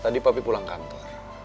tadi papi pulang kantor